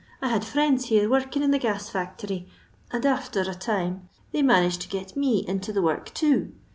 I had friends here working in a gas factory, and aftber a time they managed to get me into the work too.